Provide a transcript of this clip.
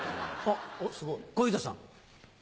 おっ小遊三さん。